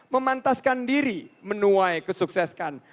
memantaskan diri menuai kesuksesan